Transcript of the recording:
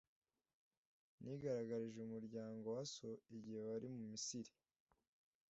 nigaragarije umuryango wa so igihe wari mu misiri